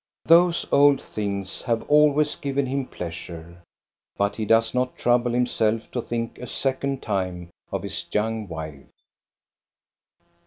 Those old things have always given him pleasure. But he does not trouble himself to think a second time of his young wife.